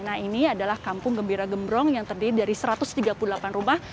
nah ini adalah kampung gembira gembrong yang terdiri dari satu ratus tiga puluh delapan rumah